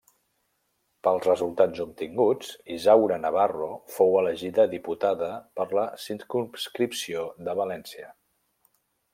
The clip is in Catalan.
Pels resultats obtinguts, Isaura Navarro fou elegida diputada per la circumscripció de València.